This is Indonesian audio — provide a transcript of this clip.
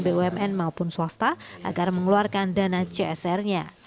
bumn maupun swasta agar mengeluarkan dana csr nya